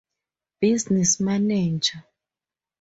Business manager.